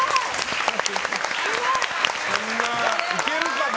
いけるかな？